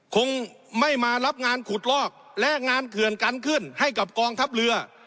คงไม่มารับงานขุดลอกและงานเขื่อนกันขึ้นให้กับกองทัพเรือ